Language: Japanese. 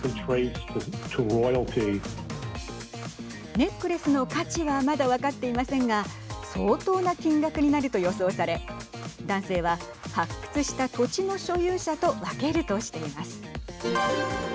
ネックレスの価値はまだ分かっていませんが相当な金額になると予想され男性は発掘した土地の所有者と分けるとしています。